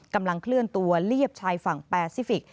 กำลังเคลื่อนตัวเรียบชายฝั่งแปซิฟิกส